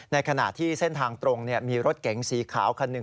ขณะที่เส้นทางตรงมีรถเก๋งสีขาวคันหนึ่ง